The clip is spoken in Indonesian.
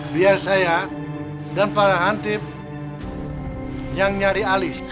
biar saya dan para hantif yang nyari ali